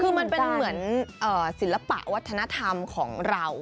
คือมันเป็นเหมือนศิลปะวัฒนธรรมของเรา